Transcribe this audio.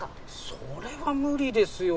それは無理ですよ